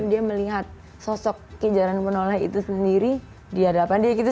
dia melihat sosok kejaran penoleh itu sendiri di hadapan dia gitu